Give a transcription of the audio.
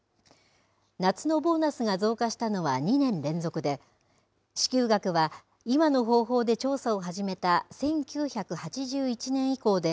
夏のボーナスが増加したのは２年連続で支給額は今の方法で調査を始めた１９８１年以降で